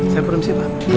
saya pun disini pak